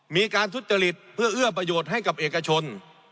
มีการทุจริตเพื่อเอื้อประโยชน์ให้กับเอกชน